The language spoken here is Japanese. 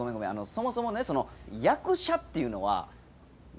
そもそもねその役者っていうのは何？